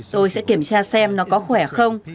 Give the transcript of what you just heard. tôi sẽ kiểm tra xem nó có khỏe không